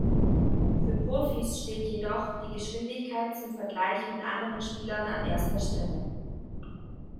Für Profis steht jedoch die Geschwindigkeit zum Vergleich mit anderen Spielern an erster Stelle.